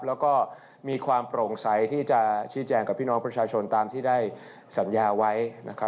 แล้วก็มีความโปร่งใสที่จะชี้แจงกับพี่น้องประชาชนตามที่ได้สัญญาไว้นะครับ